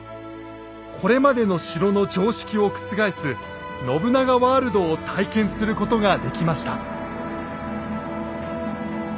これまでの城の常識を覆す信長ワールドを体験することができました。